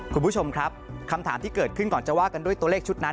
คุณผู้ชมครับคำถามที่เกิดขึ้นก่อนจะว่ากันด้วยตัวเลขชุดนั้น